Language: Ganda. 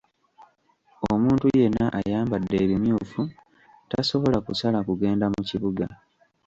Omuntu yenna ayambadde ebimyufu tasobola kusala kugenda mu kibuga.